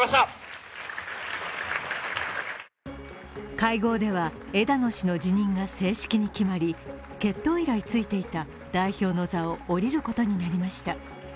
会合では枝野氏の辞任が正式に決まり、結党以来ついていた代表の座を降りることになりました。